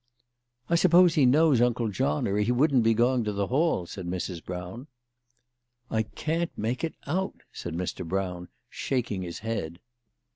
" I suppose he knows Uncle John, or he wouldn't be going to the Hall," said Mrs. Brown. " I can't make it out," said Mr. Brown, shaking his head.